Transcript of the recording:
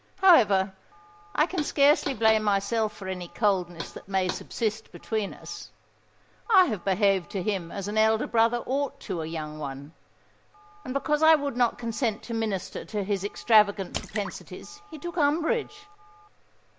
However, I can scarcely blame myself for any coldness that may subsist between us. I have behaved to him as an elder brother ought to a younger one;—and because I would not consent to minister to his extravagant propensities he took umbrage.